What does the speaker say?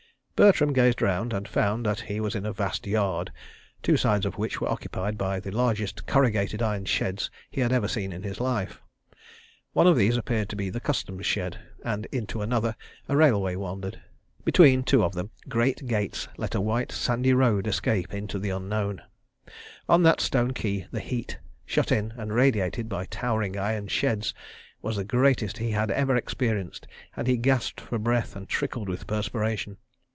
Bertram gazed around, and found that he was in a vast yard, two sides of which were occupied by the largest corrugated iron sheds he had ever seen in his life. One of these appeared to be the Customs shed, and into another a railway wandered. Between two of them, great gates let a white sandy road escape into the Unknown. On the stone quay the heat, shut in and radiated by towering iron sheds, was the greatest he had ever experienced, and he gasped for breath and trickled with perspiration.